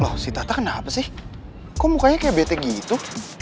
loh si tata kenapa sih kok mukanya kayak bete gitu